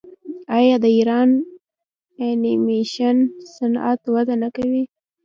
آیا د ایران انیمیشن صنعت وده نه کوي؟